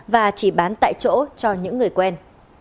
và chỉ bán tại chỗ cho những người quen